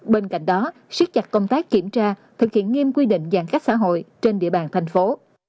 bên cạnh đó siết chặt công tác kiểm tra thực hiện nghiêm quy định giãn cách xã hội trên địa bàn thành phố